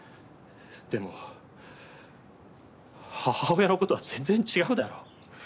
でも母親の事は全然違うだろ。